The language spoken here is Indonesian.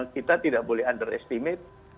kita tidak boleh underestimate